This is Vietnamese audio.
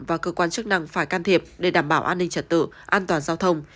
và cơ quan chức năng phải can thiệp để đảm bảo an ninh trật tự an toàn giao thông